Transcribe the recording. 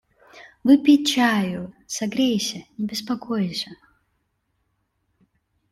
Выпей чаю, согрейся, не беспокойся.